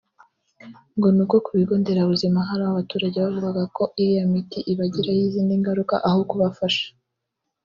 ngo ni uko ku bigo nderabuzima hari aho abaturage bavugaga ko iriya miti ibagiraho izindi ngaruka aho kubafasha